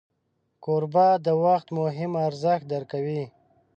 کوربه د وخت مهم ارزښت درک کوي.